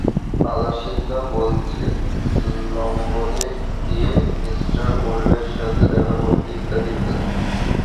আলাসিঙ্গা বলছে, লণ্ডনে গিয়ে মি ওল্ডের সঙ্গে দেখা করতে, ইত্যাদি ইত্যাদি।